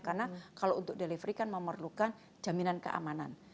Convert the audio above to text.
karena kalau untuk delivery kan memerlukan jaminan keamanan